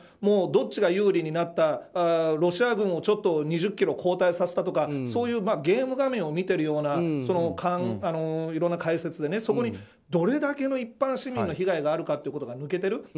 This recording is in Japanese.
どっちが有利になったロシア軍を２０ｋｍ後退させたとか、そういうゲーム画面を見ているようないろんな解説で、そこにどれだけの一般市民の被害があるかっていうことが抜けてる。